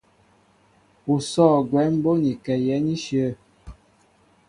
Ú sɔ̂ gwɛm bónikɛ yɛ̌n íshyə̂.